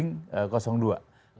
untuk attacking dua